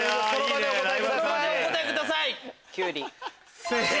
その場でお答えください。